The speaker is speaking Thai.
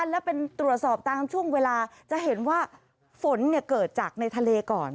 แล้วเป็นตรวจสอบตามช่วงเวลาจะเห็นว่าฝนเกิดจากในทะเลก่อน